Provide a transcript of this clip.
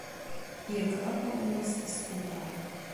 Ihr Körperumriss ist oval.